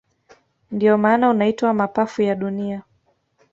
Ndio maana unaitwa mapafu ya dunia